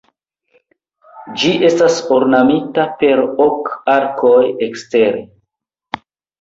Ĝi estas ornamita per ok arkoj ekstere.